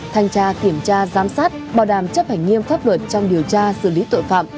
tra kiểm tra giám sát bảo đảm chấp hành nghiêm pháp luật trong điều tra xử lý tuệ phạm